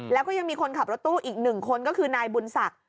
แล้วก็ยังมีคนขับรถตู้อีก๑คนก็คือนายบุญศักดิ์